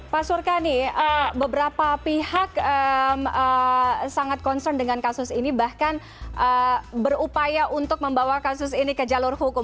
pak surkani beberapa pihak sangat concern dengan kasus ini bahkan berupaya untuk membawa kasus ini ke jalur hukum